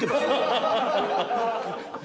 ハハハハ！